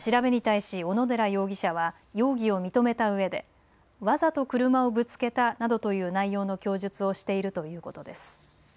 調べに対し、小野寺容疑者は容疑を認めたうえでわざと車をぶつけたなどという内容の供述をしているということです。